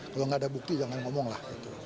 kalau nggak ada bukti jangan ngomong lah